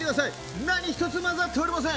何一つ混ざっておりません！